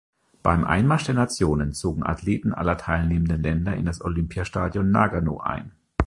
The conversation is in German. Beim Einmarsch der Nationen zogen Athleten aller teilnehmenden Länder in das Olympiastadion Nagano ein.